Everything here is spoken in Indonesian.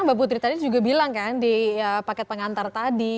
tapi tadi juga bilang kan di paket pengantar tadi